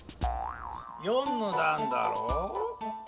「４のだん」だろう？